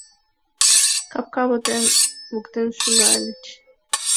капка воктен шогальыч.